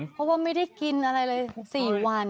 เพราะว่าไม่ได้กินอะไรเลย๔วัน